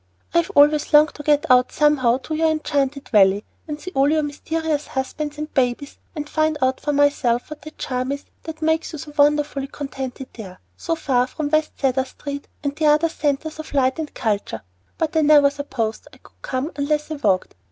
I have always longed to get out somehow to your Enchanted Valley, and see all your mysterious husbands and babies, and find out for myself what the charm is that makes you so wonderfully contented there, so far from West Cedar Street and the other centres of light and culture, but I never supposed I could come unless I walked.